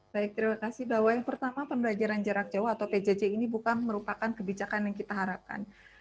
baik terima kasih bahwa yang pertama pembelajaran jarak jauh atau pjj ini bukan merupakan kebijakan yang kita harapkan